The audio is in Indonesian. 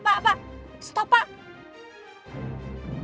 pak pak pak pak stop pak